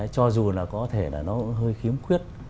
cho dù là có thể là nó hơi khiếm khuyết